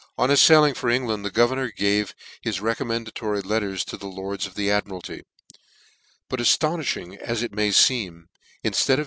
On his failing for England the governor gave his recommendatoiy letters ro the lords of ti.e Admiralty t but aftoniftiing as it may Icem, in {lead or.